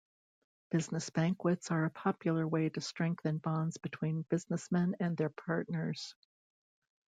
Business banquets are a popular way to strengthen bonds between businessmen and their partners.